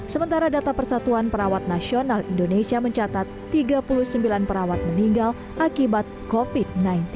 sementara data persatuan perawat nasional indonesia mencatat tiga puluh sembilan perawat meninggal akibat covid sembilan belas